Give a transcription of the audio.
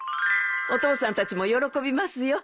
お父さんたちも喜びますよ。